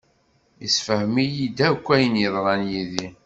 Yessefhem-iyi-d akk ayen yeḍran yid-i.